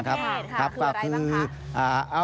คืออะไรบ้างคะ